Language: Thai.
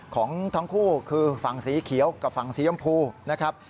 ของทั้งคู่คือฝั่งสีเขียวกับฝั่งสียำพูนะครับ